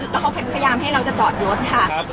แล้วเขาพยายามให้เราจะจอดรถค่ะ